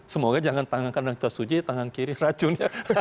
semoga jangan tangan kanan kita suci tangan kiri racun